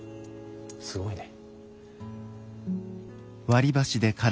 すごいね。